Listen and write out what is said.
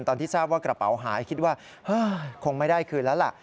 ตอนที่ทราบว่ากระเป๋าหายคิดว่าคงไม่ได้คืนแล้วล่ะ